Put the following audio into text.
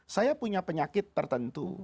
saya punya penyakit tertentu